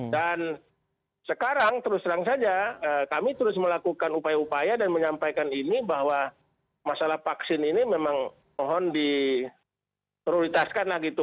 dan sekarang terus terang saja kami terus melakukan upaya upaya dan menyampaikan ini bahwa masalah vaksin ini memang mohon di prioritaskan lah gitu